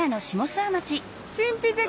神秘的！